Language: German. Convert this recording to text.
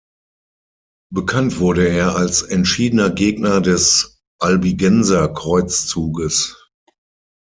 Bekannt wurde er als entschiedener Gegner des Albigenserkreuzzuges.